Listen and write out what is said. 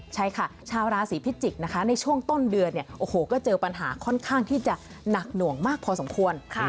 ใช่ค่ะชาวราศีพิจิกษ์นะคะในช่วงต้นเดือนเนี่ยโอ้โหก็เจอปัญหาค่อนข้างที่จะหนักหน่วงมากพอสมควร